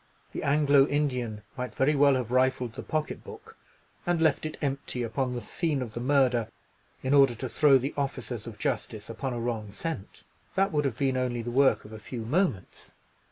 The Anglo Indian might very well have rifled the pocket book, and left it empty upon the scene of the murder, in order to throw the officers of justice upon a wrong scent. That would have been only the work of a few moments.